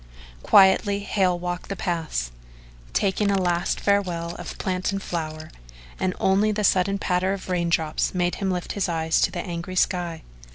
Quietly Hale walked the paths, taking a last farewell of plant and flower, and only the sudden patter of raindrops made him lift his eyes to the angry sky.